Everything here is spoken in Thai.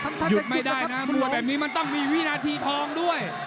หยุดไม่ได้นะมวยแบบนี้มันต้องมีวินาทีทองด้วย